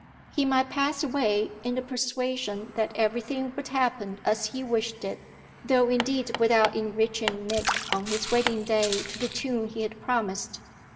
He might pass away in the persuasion that everything would happen as he wished it, though indeed without enriching Nick on his wedding day to the tune he had promised.